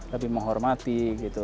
lebih menghormati gitu